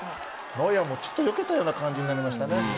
ノイアーもちょっとよけたような感じになりましたね。